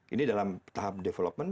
ini dalam tahap development